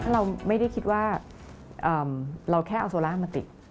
เราไม่ได้คิดว่าเราแค่เอาโซล่ามาติด